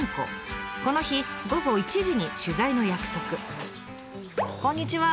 この日午後１時に取材の約束。